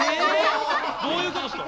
どういうことですか？